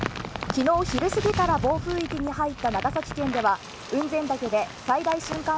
昨日昼すぎから暴風域に入った長崎県では雲仙岳で最大瞬間